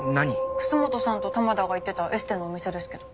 楠本さんと玉田が行ってたエステのお店ですけど。